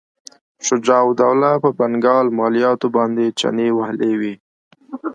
شجاع الدوله په بنګال مالیاتو باندې چنې وهلې وې.